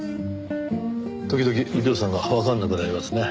時々右京さんがわからなくなりますね。